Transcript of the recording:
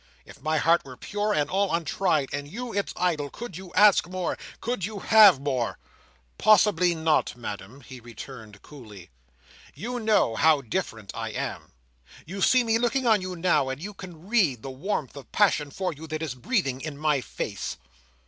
If my heart were pure and all untried, and you its idol, could you ask more; could you have more?" "Possibly not, Madam," he returned coolly. "You know how different I am. You see me looking on you now, and you can read the warmth of passion for you that is breathing in my face."